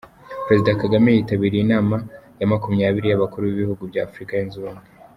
Perezida Kagame yitabiriye inama ya makumyabiri y’Abakuru b’Ibihugu bya Afurika Yunze Ubumwe